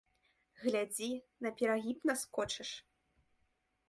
Глядзі, на перагіб наскочыш.